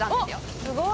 すごい！